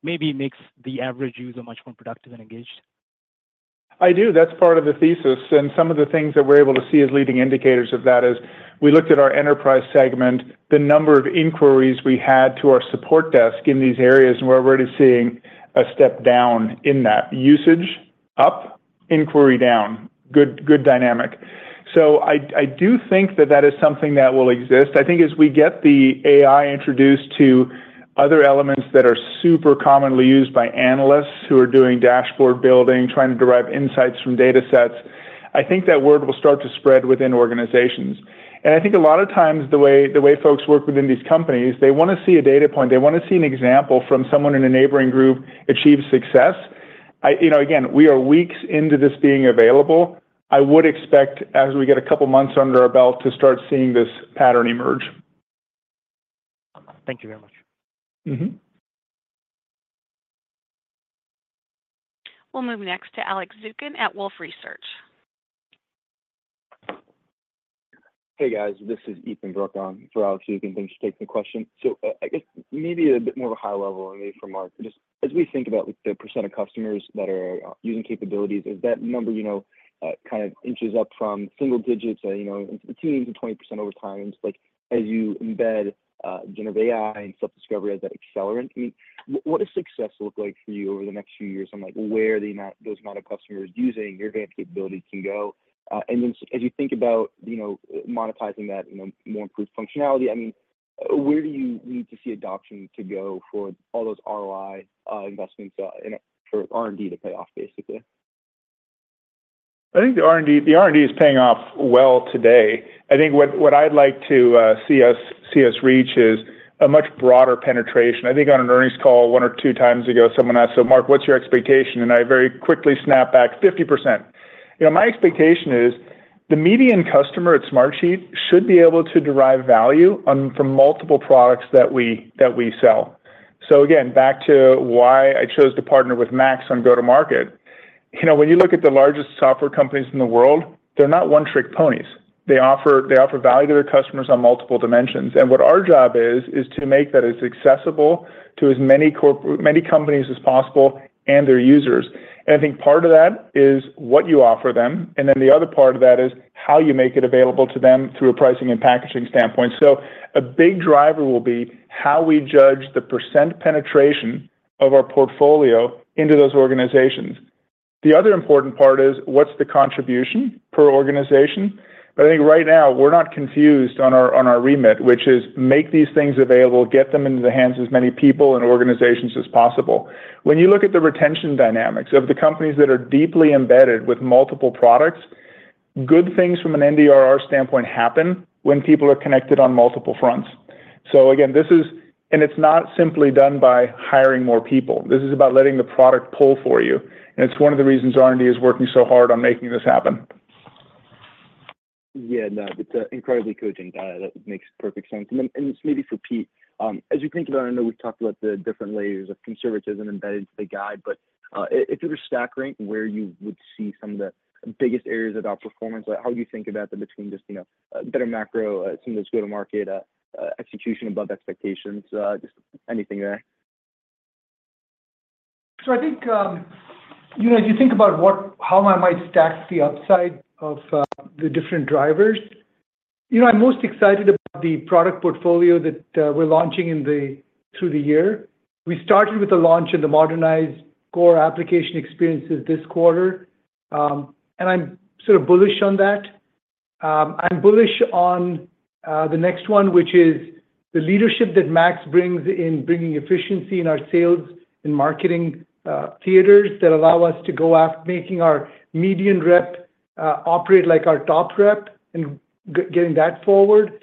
maybe makes the average user much more productive and engaged? I do. That's part of the thesis. Some of the things that we're able to see as leading indicators of that is we looked at our enterprise segment, the number of inquiries we had to our support desk in these areas. We're already seeing a step down in that. Usage up, inquiry down. Good dynamic. I do think that that is something that will exist. I think as we get the AI introduced to other elements that are super commonly used by analysts who are doing dashboard building, trying to derive insights from data sets, I think that word will start to spread within organizations. I think a lot of times, the way folks work within these companies, they want to see a data point. They want to see an example from someone in a neighboring group achieve success. Again, we are weeks into this being available. I would expect, as we get a couple of months under our belt, to start seeing this pattern emerge. Thank you very much. We'll move next to Alex Zukin at Wolfe Research. Hey, guys. This is Ethan Bruck on for Alex Zukin. Thanks for taking the question. So I guess maybe a bit more of a high level, maybe for Mark. Just as we think about the percent of customers that are using capabilities, is that number kind of inches up from single digits into the teens and 20% over time as you embed generative AI and self-discovery as that accelerant? I mean, what does success look like for you over the next few years? I mean, where are those amount of customers using your advanced capabilities can go? And then as you think about monetizing that more improved functionality, I mean, where do you need to see adoption to go for all those ROI investments for R&D to pay off, basically? I think the R&D is paying off well today. I think what I'd like to see us reach is a much broader penetration. I think on an earnings call one or two times ago, someone asked, "So Mark, what's your expectation?" And I very quickly snapped back, "50%." My expectation is the median customer at Smartsheet should be able to derive value from multiple products that we sell. So again, back to why I chose to partner with Max on go-to-market. When you look at the largest software companies in the world, they're not one-trick ponies. They offer value to their customers on multiple dimensions. And what our job is is to make that as accessible to as many companies as possible and their users. And I think part of that is what you offer them. And then the other part of that is how you make it available to them through a pricing and packaging standpoint. So a big driver will be how we judge the % penetration of our portfolio into those organizations. The other important part is what's the contribution per organization? But I think, right now, we're not confused on our remit, which is make these things available, get them into the hands of as many people and organizations as possible. When you look at the retention dynamics of the companies that are deeply embedded with multiple products, good things from an NDRR standpoint happen when people are connected on multiple fronts. So again, and it's not simply done by hiring more people. This is about letting the product pull for you. And it's one of the reasons R&D is working so hard on making this happen. Yeah. No. It's incredibly cautious. That makes perfect sense. And then maybe for Pete, as you think about it, I know we've talked about the different layers of conservatism embedded into the guide. But if you were to stack rank where you would see some of the biggest areas of outperformance, how do you think about the tradeoff between just better macro, some of those go-to-market execution above expectations, just anything there? So I think, if you think about how I might stack the upside of the different drivers, I'm most excited about the product portfolio that we're launching through the year. We started with a launch in the modernized core application experiences this quarter. And I'm sort of bullish on that. I'm bullish on the next one, which is the leadership that Max brings in bringing efficiency in our sales and marketing theaters that allow us to go after making our median rep operate like our top rep and getting that forward.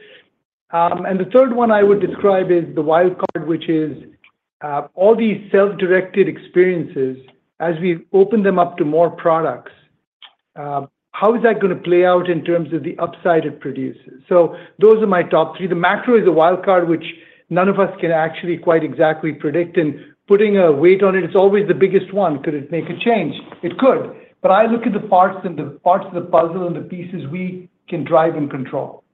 And the third one I would describe is the wildcard, which is all these self-directed experiences, as we open them up to more products, how is that going to play out in terms of the upside it produces? So those are my top three. The macro is a wildcard, which none of us can actually quite exactly predict. Putting a weight on it, it's always the biggest one. Could it make a change? It could. But I look at the parts of the puzzle and the pieces we can drive and control.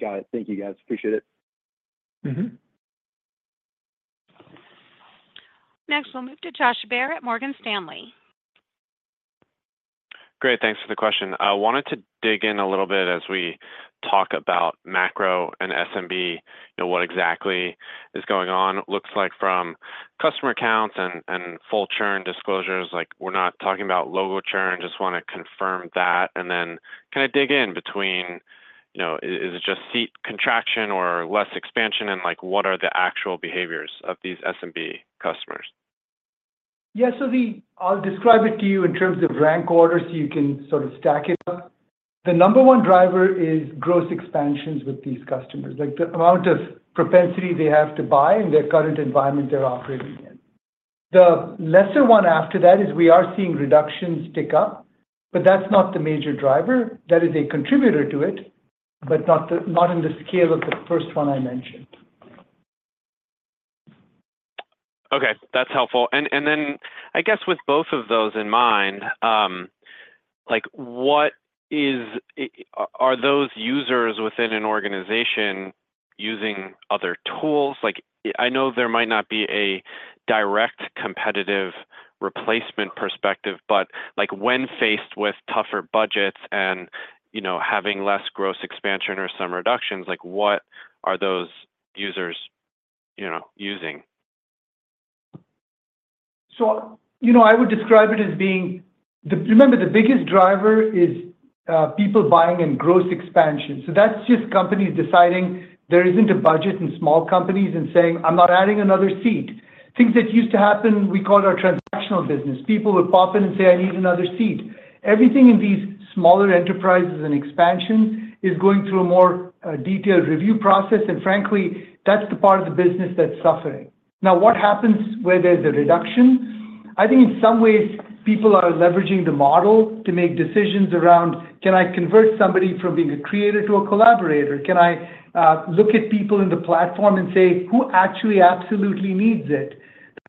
Got it. Thank you, guys. Appreciate it. Next, we'll move to Josh Baer at Morgan Stanley. Great. Thanks for the question. I wanted to dig in a little bit as we talk about macro and SMB, what exactly is going on. Looks like from customer accounts and full churn disclosures. We're not talking about logo churn. Just want to confirm that. And then kind of dig in between: is it just seat contraction or less expansion? And what are the actual behaviors of these SMB customers? Yeah. So I'll describe it to you in terms of rank order so you can sort of stack it up. The number one driver is gross expansions with these customers, the amount of propensity they have to buy in their current environment they're operating in. The lesser one after that is we are seeing reductions tick up. But that's not the major driver. That is a contributor to it, but not in the scale of the first one I mentioned. Okay. That's helpful. And then I guess, with both of those in mind, are those users within an organization using other tools? I know there might not be a direct competitive replacement perspective. But when faced with tougher budgets and having less gross expansion or some reductions, what are those users using? So, I would describe it as being—remember, the biggest driver is people buying in gross expansion. So that's just companies deciding there isn't a budget in small companies and saying, "I'm not adding another seat." Things that used to happen, we called our transactional business. People would pop in and say, "I need another seat." Everything in these smaller enterprises and expansions is going through a more detailed review process. And frankly, that's the part of the business that's suffering. Now, what happens where there's a reduction? I think, in some ways, people are leveraging the model to make decisions around, "Can I convert somebody from being a creator to a collaborator? Can I look at people in the platform and say, 'Who actually absolutely needs it?'"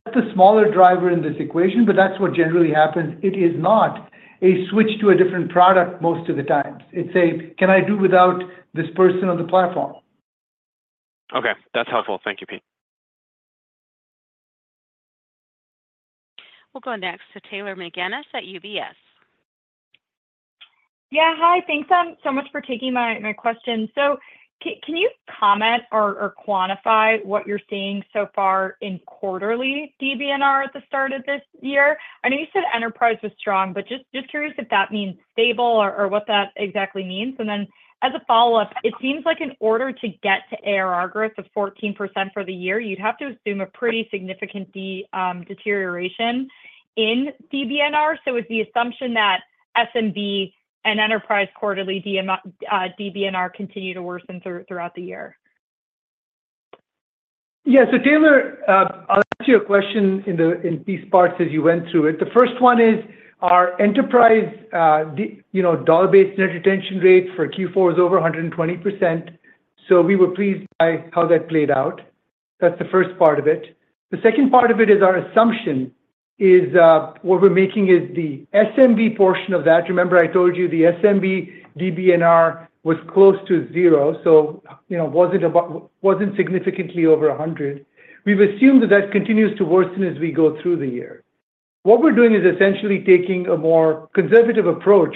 That's the smaller driver in this equation. But that's what generally happens. It is not a switch to a different product most of the times. It's a, "Can I do without this person on the platform? Okay. That's helpful. Thank you, Pete. We'll go next to Taylor McGinnis at UBS. Yeah. Hi. Thanks so much for taking my question. So can you comment or quantify what you're seeing so far in quarterly DBNR at the start of this year? I know you said enterprise was strong. But just curious if that means stable or what that exactly means. And then as a follow-up, it seems like in order to get to ARR growth of 14% for the year, you'd have to assume a pretty significant deterioration in DBNR. So is the assumption that SMB and enterprise quarterly DBNR continue to worsen throughout the year? Yeah. So Taylor, I'll answer your question in piece parts as you went through it. The first one is our enterprise dollar-based net retention rate for Q4 is over 120%. So we were pleased by how that played out. That's the first part of it. The second part of it is our assumption is what we're making is the SMB portion of that. Remember, I told you the SMB DBNR was close to 0, so wasn't significantly over 100. We've assumed that that continues to worsen as we go through the year. What we're doing is essentially taking a more conservative approach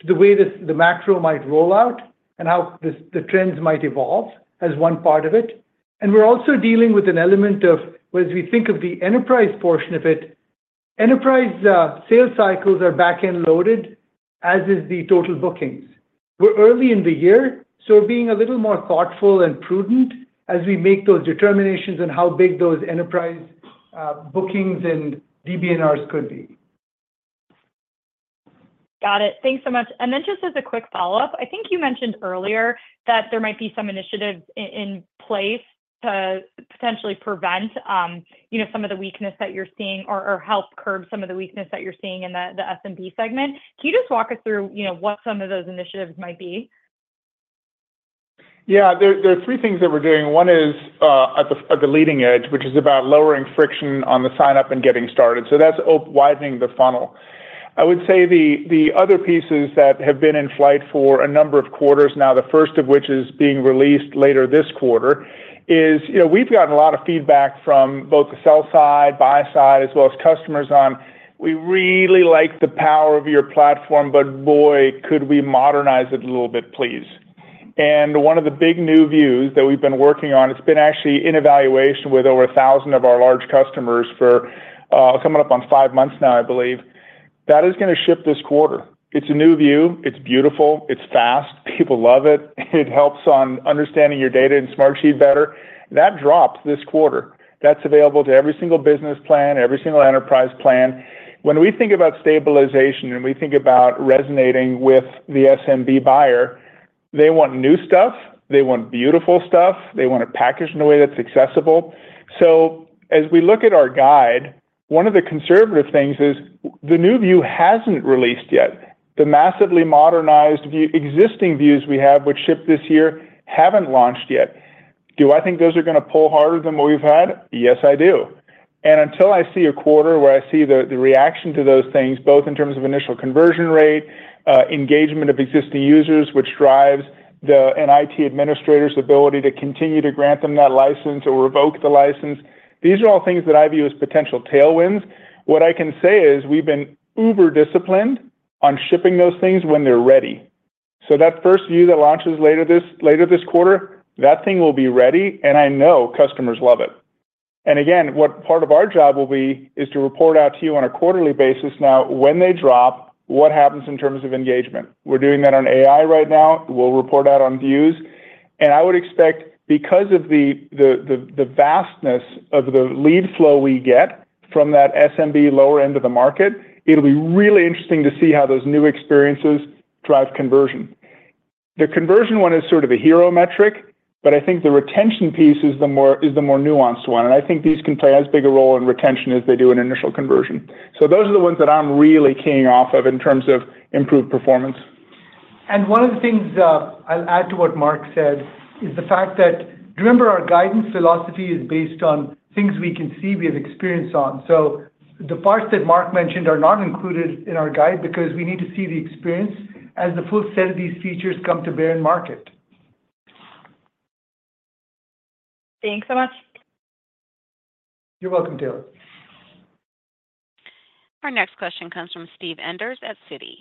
to the way that the macro might roll out and how the trends might evolve as one part of it. And we're also dealing with an element of, as we think of the enterprise portion of it, enterprise sales cycles are backend-loaded, as is the total bookings. We're early in the year. We're being a little more thoughtful and prudent as we make those determinations on how big those enterprise bookings and DBNRs could be. Got it. Thanks so much. And then just as a quick follow-up, I think you mentioned earlier that there might be some initiatives in place to potentially prevent some of the weakness that you're seeing or help curb some of the weakness that you're seeing in the SMB segment. Can you just walk us through what some of those initiatives might be? Yeah. There are three things that we're doing. One is at the leading edge, which is about lowering friction on the sign-up and getting started. So that's widening the funnel. I would say the other pieces that have been in flight for a number of quarters now, the first of which is being released later this quarter, is we've gotten a lot of feedback from both the sell side, buy side, as well as customers on, "We really like the power of your platform. But boy, could we modernize it a little bit, please?" And one of the big new views that we've been working on, it's been actually in evaluation with over 1,000 of our large customers for coming up on five months now, I believe, that is going to ship this quarter. It's a new view. It's beautiful. It's fast. People love it. It helps on understanding your data in Smartsheet better. That drops this quarter. That's available to every single business plan, every single enterprise plan. When we think about stabilization and we think about resonating with the SMB buyer, they want new stuff. They want beautiful stuff. They want it packaged in a way that's accessible. So as we look at our guide, one of the conservative things is the new view hasn't released yet. The massively modernized existing views we have, which shipped this year, haven't launched yet. Do I think those are going to pull harder than what we've had? Yes, I do. Until I see a quarter where I see the reaction to those things, both in terms of initial conversion rate, engagement of existing users, which drives an IT administrator's ability to continue to grant them that license or revoke the license, these are all things that I view as potential tailwinds. What I can say is we've been uber-disciplined on shipping those things when they're ready. That first view that launches later this quarter, that thing will be ready. I know customers love it. Again, what part of our job will be is to report out to you on a quarterly basis now when they drop, what happens in terms of engagement. We're doing that on AI right now. We'll report out on views. I would expect, because of the vastness of the lead flow we get from that SMB lower end of the market, it'll be really interesting to see how those new experiences drive conversion. The conversion one is sort of a hero metric. But I think the retention piece is the more nuanced one. And I think these can play as big a role in retention as they do in initial conversion. So those are the ones that I'm really keying off of in terms of improved performance. One of the things I'll add to what Mark said is the fact that remember, our guidance philosophy is based on things we can see, we have experience on. So the parts that Mark mentioned are not included in our guide because we need to see the experience as the full set of these features come to bear in market. Thanks so much. You're welcome, Taylor. Our next question comes from Steve Enders at Citi.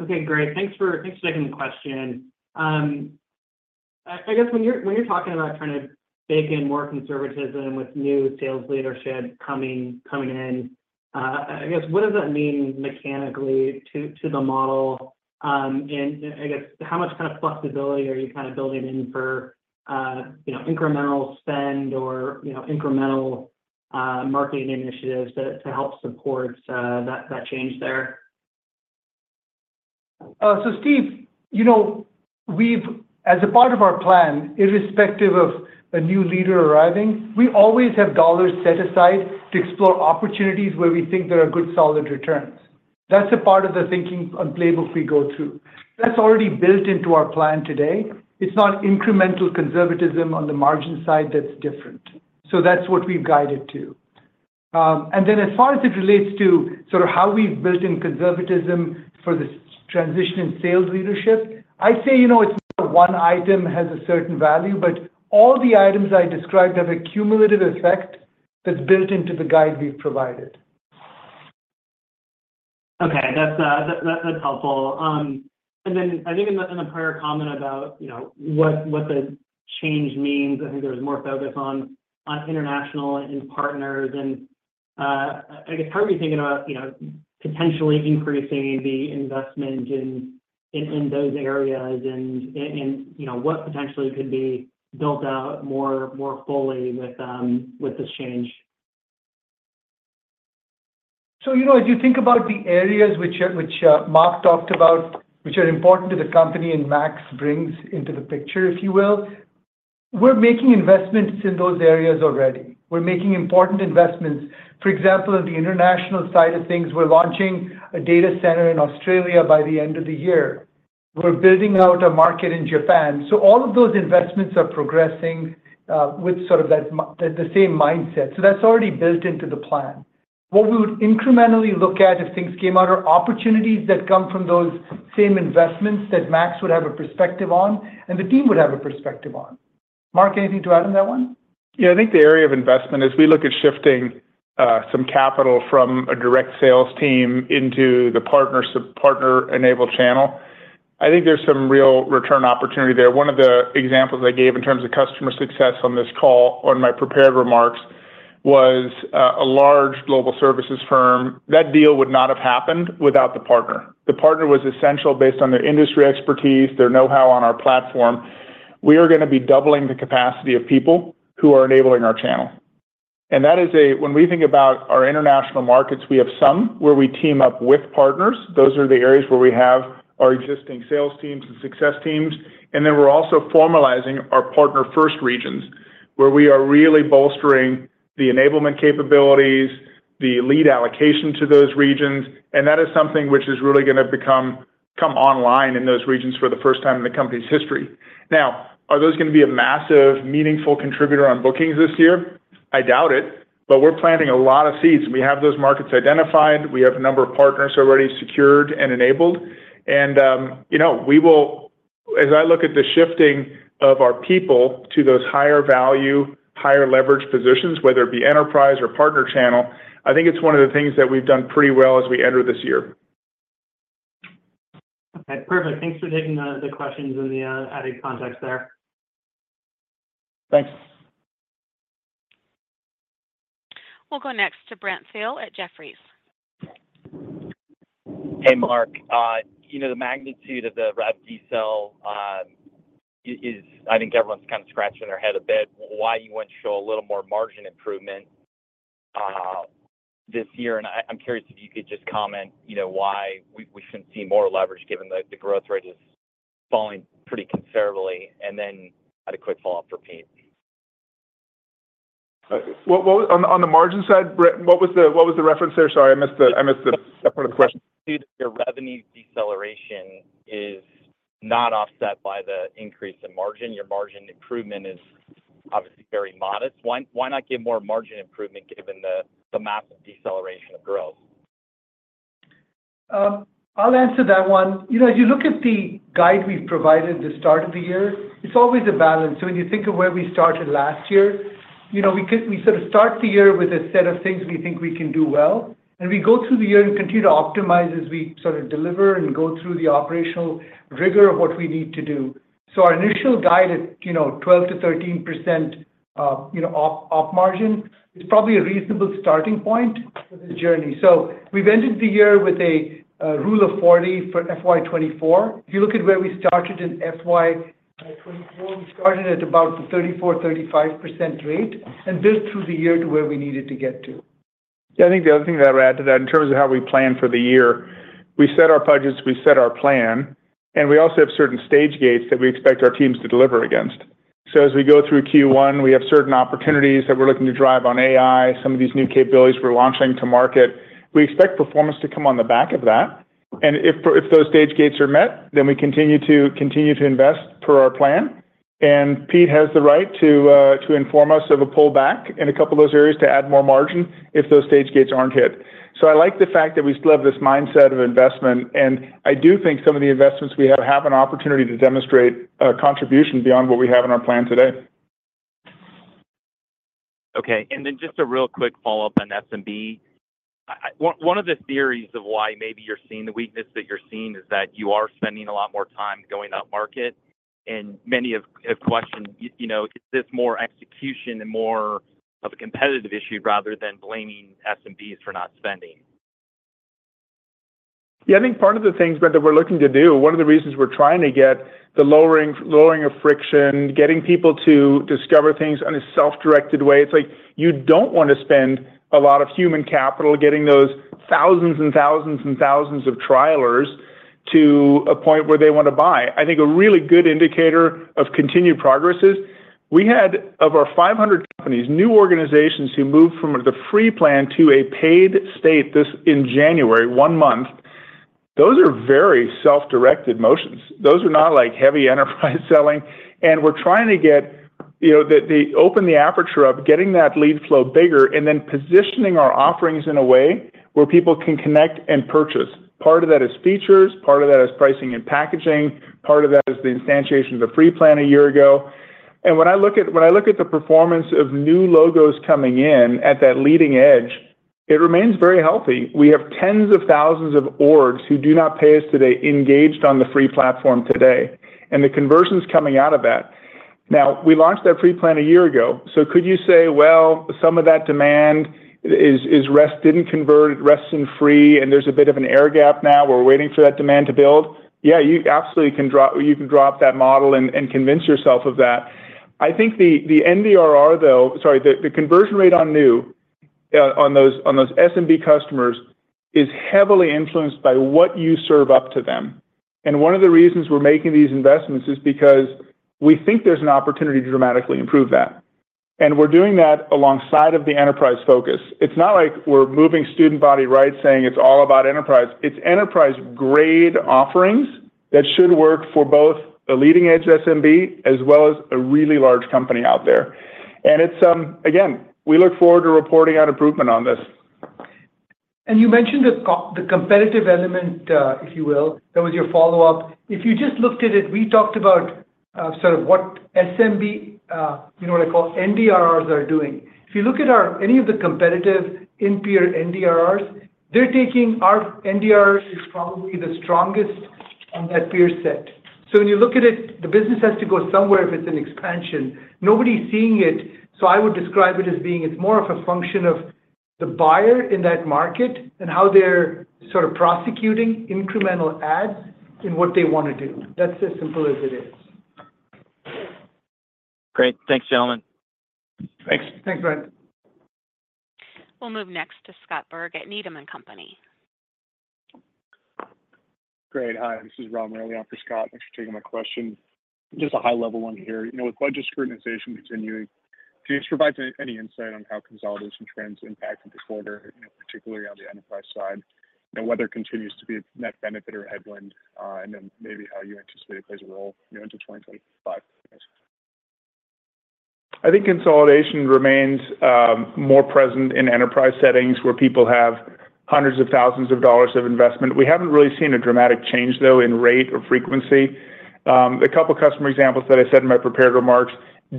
Okay. Great. Thanks for taking the question. I guess, when you're talking about trying to bake in more conservatism with new sales leadership coming in, I guess, what does that mean mechanically to the model? And I guess, how much kind of flexibility are you kind of building in for incremental spend or incremental marketing initiatives to help support that change there? So Steve, as a part of our plan, irrespective of a new leader arriving, we always have dollars set aside to explore opportunities where we think there are good, solid returns. That's a part of the thinking and playbook we go through. That's already built into our plan today. It's not incremental conservatism on the margin side that's different. So that's what we've guided to. And then as far as it relates to sort of how we've built in conservatism for the transition in sales leadership, I'd say it's not one item has a certain value. But all the items I described have a cumulative effect that's built into the guide we've provided. Okay. That's helpful. And then I think, in the prior comment about what the change means, I think there was more focus on international and partners. And I guess, how are you thinking about potentially increasing the investment in those areas and what potentially could be built out more fully with this change? So as you think about the areas which Mark talked about, which are important to the company and Max brings into the picture, if you will, we're making investments in those areas already. We're making important investments. For example, on the international side of things, we're launching a data center in Australia by the end of the year. We're building out a market in Japan. So all of those investments are progressing with sort of the same mindset. So that's already built into the plan. What we would incrementally look at if things came out are opportunities that come from those same investments that Max would have a perspective on and the team would have a perspective on. Mark, anything to add on that one? Yeah. I think the area of investment is we look at shifting some capital from a direct sales team into the partner-enabled channel. I think there's some real return opportunity there. One of the examples I gave in terms of customer success on this call, on my prepared remarks, was a large global services firm. That deal would not have happened without the partner. The partner was essential based on their industry expertise, their know-how on our platform. We are going to be doubling the capacity of people who are enabling our channel. And when we think about our international markets, we have some where we team up with partners. Those are the areas where we have our existing sales teams and success teams. And then we're also formalizing our partner-first regions, where we are really bolstering the enablement capabilities, the lead allocation to those regions. And that is something which is really going to come online in those regions for the first time in the company's history. Now, are those going to be a massive, meaningful contributor on bookings this year? I doubt it. But we're planting a lot of seeds. We have those markets identified. We have a number of partners already secured and enabled. And we will, as I look at the shifting of our people to those higher value, higher leverage positions, whether it be enterprise or partner channel, I think it's one of the things that we've done pretty well as we enter this year. Okay. Perfect. Thanks for taking the questions and the added context there. Thanks. We'll go next to Brent Thill at Jefferies. Hey, Mark. The magnitude of the rev decel, I think everyone's kind of scratching their head a bit, why you went to show a little more margin improvement this year. I'm curious if you could just comment why we shouldn't see more leverage given that the growth rate is falling pretty considerably. Then I had a quick follow-up for Pete. On the margin side, Brent, what was the reference there? Sorry, I missed that part of the question. I think that your revenue deceleration is not offset by the increase in margin. Your margin improvement is obviously very modest. Why not give more margin improvement given the massive deceleration of growth? I'll answer that one. As you look at the guide we've provided the start of the year, it's always a balance. So when you think of where we started last year, we sort of start the year with a set of things we think we can do well. And we go through the year and continue to optimize as we sort of deliver and go through the operational rigor of what we need to do. So our initial guide at 12%-13% op margin is probably a reasonable starting point for this journey. So we've ended the year with a Rule of 40 for FY24. If you look at where we started in FY24, we started at about the 34%-35% rate and built through the year to where we needed to get to. Yeah. I think the other thing that I would add to that, in terms of how we plan for the year, we set our budgets. We set our plan. We also have certain stage gates that we expect our teams to deliver against. As we go through Q1, we have certain opportunities that we're looking to drive on AI, some of these new capabilities we're launching to market. We expect performance to come on the back of that. If those stage gates are met, then we continue to invest per our plan. Pete has the right to inform us of a pullback in a couple of those areas to add more margin if those stage gates aren't hit. I like the fact that we still have this mindset of investment. I do think some of the investments we have an opportunity to demonstrate a contribution beyond what we have in our plan today. Okay. And then just a real quick follow-up on SMB. One of the theories of why maybe you're seeing the weakness that you're seeing is that you are spending a lot more time going up market. And many have questioned, is this more execution and more of a competitive issue rather than blaming SMBs for not spending? Yeah. I think part of the things, Brent, that we're looking to do, one of the reasons we're trying to get the lowering of friction, getting people to discover things in a self-directed way. It's like you don't want to spend a lot of human capital getting those thousands and thousands and thousands of trialers to a point where they want to buy. I think a really good indicator of continued progress is of our 500 companies, new organizations who move from the free plan to a paid state in January, one month. Those are very self-directed motions. Those are not heavy enterprise selling. We're trying to open the aperture up, getting that lead flow bigger, and then positioning our offerings in a way where people can connect and purchase. Part of that is features. Part of that is pricing and packaging. Part of that is the instantiation of the free plan a year ago. And when I look at the performance of new logos coming in at that leading edge, it remains very healthy. We have tens of thousands of orgs who do not pay us today engaged on the free platform today and the conversions coming out of that. Now, we launched that free plan a year ago. So could you say, "Well, some of that demand is resting in free, and there's a bit of an air gap now. We're waiting for that demand to build"? Yeah, you absolutely can drop that model and convince yourself of that. I think the NDRR, though, sorry, the conversion rate on new on those SMB customers is heavily influenced by what you serve up to them. One of the reasons we're making these investments is because we think there's an opportunity to dramatically improve that. We're doing that alongside of the enterprise focus. It's not like we're moving the goalposts, right, saying it's all about enterprise. It's enterprise-grade offerings that should work for both a leading-edge SMB as well as a really large company out there. Again, we look forward to reporting on improvement on this. And you mentioned the competitive element, if you will. That was your follow-up. If you just looked at it, we talked about sort of what SMB, what I call NDRRs, are doing. If you look at any of the competitive in-peer NDRRs, they're tanking. Our NDRRs is probably the strongest on that peer set. So when you look at it, the business has to go somewhere if it's an expansion. Nobody's seeing it. So I would describe it as being it's more of a function of the buyer in that market and how they're sort of prosecuting incremental adds in what they want to do. That's as simple as it is. Great. Thanks, gentlemen. Thanks. Thanks, Brent. We'll move next to Scott Berg at Needham & Company. Great. Hi. This is Rob Morelli. I'm for Scott. Thanks for taking my question. Just a high-level one here. With budget scrutinization continuing, can you just provide any insight on how consolidation trends impact the quarter, particularly on the enterprise side, whether it continues to be a net benefit or a headwind, and then maybe how you anticipate it plays a role into 2025? I think consolidation remains more present in enterprise settings where people have hundreds of thousands of dollars of investment. We haven't really seen a dramatic change, though, in rate or frequency. A couple of customer examples that I said in my prepared remarks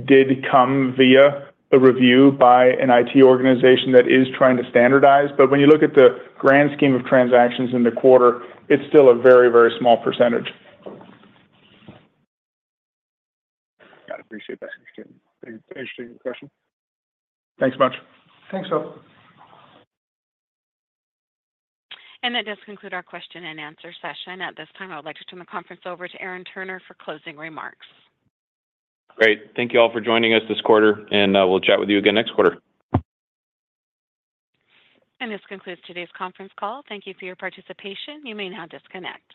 did come via a review by an IT organization that is trying to standardize. But when you look at the grand scheme of transactions in the quarter, it's still a very, very small percentage. Got it. Appreciate that. Interesting question. Thanks much. Thanks, Rob. That does conclude our question-and-answer session. At this time, I would like to turn the conference over to Aaron Turner for closing remarks. Great. Thank you all for joining us this quarter. We'll chat with you again next quarter. This concludes today's conference call. Thank you for your participation. You may now disconnect.